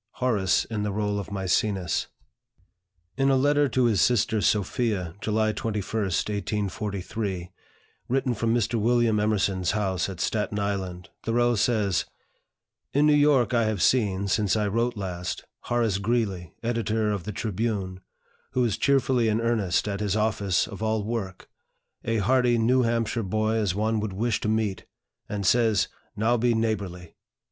HORACE IN THE RÔLE OF MÆCENAS. In a letter to his sister Sophia, July 21, 1843, written from Mr. William Emerson's house at Staten Island, Thoreau says: "In New York I have seen, since I wrote last, Horace Greeley, editor of the 'Tribune,' who is cheerfully in earnest at his office of all work, a hearty New Hampshire boy as one would wish to meet, and says, 'Now be neighborly.'